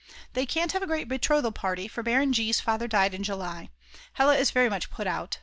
They can't have a great betrothal party, for Baron G.'s father died in July. Hella is very much put out.